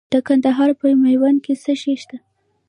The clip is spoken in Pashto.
د کندهار په میوند کې څه شی شته؟